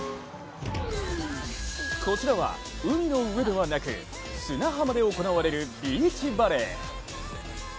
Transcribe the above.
こちらは海の上ではなく、砂浜で行われるビーチバレー。